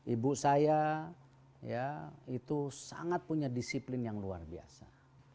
ibu saya itu sangat punya disiplin yang luar biasa